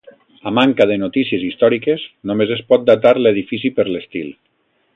A manca de notícies històriques, només es pot datar l'edifici per l'estil.